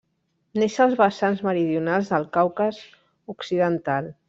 Neix als vessants meridionals del Caucas occidental.